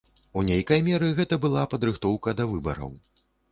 У нейкай меры гэта была падрыхтоўка да выбараў.